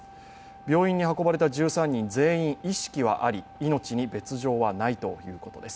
病院に運ばれた１３人全員意識はあり、命に別状はないということです。